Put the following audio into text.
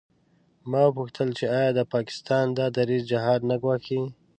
ما وپوښتل چې آیا د پاکستان دا دریځ جهاد نه ګواښي.